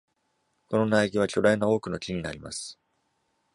この苗木は、巨大なオークの木になります。